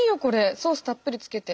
ソースたっぷりつけて。